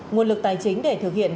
nguồn lực tài chính để thực hiện